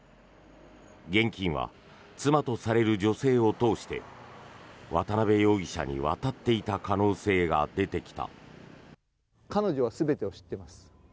現金は妻とされる女性を通して渡邉容疑者に渡っていた可能性が出てきた。